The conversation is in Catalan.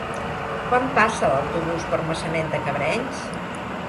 Quan passa l'autobús per Maçanet de Cabrenys?